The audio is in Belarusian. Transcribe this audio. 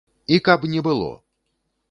І каб не было!